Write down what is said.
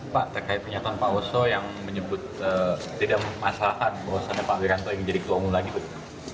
pak terkait kenyataan pak oso yang menyebut tidak masalahan bahwa sana pak wiranto ingin jadi keunggul lagi betul